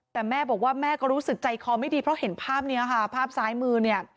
แต่แม่บอกว่าแม่ก็รู้สึกใจคอไม่ดีเพราะเห็นภาพนี้ค่ะภาพซ้ายมือเนี่ย